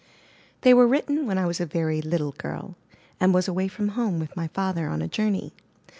They were written when I was a very little girl, and was away from home with my father on a jour ney.